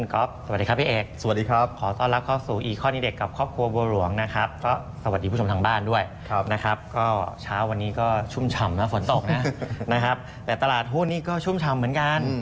ระหว่างวันนี้ทำจุดสูงสุดด้วยนะบวกไป๑๐กว่าจุดนะ